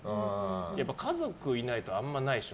やっぱり家族がいないとあんまりないでしょ。